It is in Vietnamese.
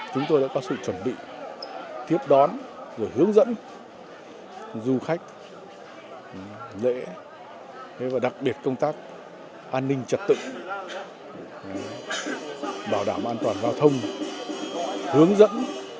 chúng tôi đã có sự chuẩn bị tiếp đón hướng dẫn du khách lễ và đặc biệt công tác an ninh trật tự bảo đảm an toàn giao thông hướng dẫn